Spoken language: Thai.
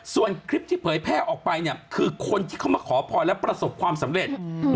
ส่วนคลิปที่เผยแพร่ออกไปเนี่ยคือคนที่เขามาขอพรแล้วประสบความสำเร็จ